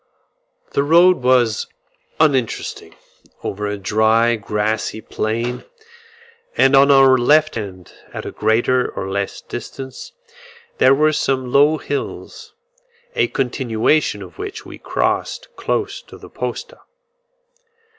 The road was uninteresting, over a dry grassy plain; and on our left hand at a greater or less distance there were some low hills; a continuation of which we crossed close to the posta.